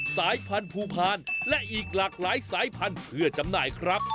สายพันธุ์ภูพาลและอีกหลากหลายสายพันธุ์เพื่อจำหน่ายครับ